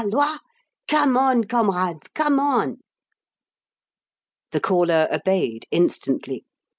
loi! Come on, comrades, come on!" The caller obeyed instantly.